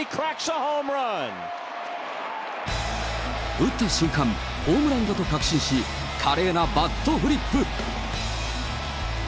打った瞬間、ホームランだと確信し、華麗なバットフリップ。